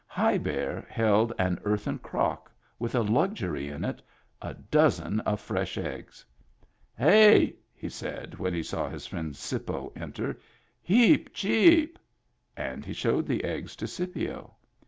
High Bear held an earthen crock with a luxury in it — a dozen of fresh eggs. " Hey !" he said when he saw his friend " Sippo " enter. " Heap cheap." And he showed the eggs to Scipio.